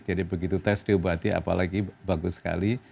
jadi begitu tes diobati apalagi bagus sekali